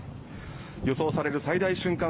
予想される最大瞬間